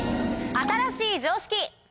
新しい常識！